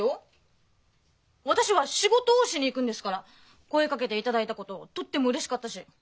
私は仕事をしにいくんですから声かけて頂いたこととってもうれしかったし。